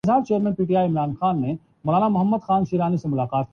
ایک بڑِی وجہ تھوڑے فائدے